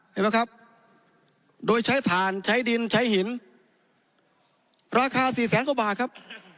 เห็นไหมครับโดยใช้ฐานใช้ดินใช้หินราคาสี่แสนกว่าบาทครับ